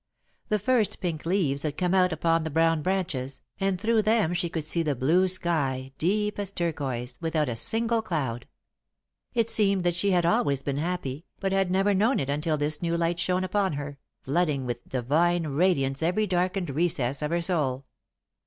The first pink leaves had come out upon the brown branches, and through them she could see the blue sky, deep as turquoise, without a single cloud. It seemed that she had always been happy, but had never known it until this new light shone upon her, flooding with divine radiance every darkened recess of her soul.